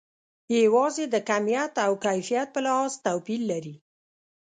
یوازې د کمیت او کیفیت په لحاظ توپیر لري.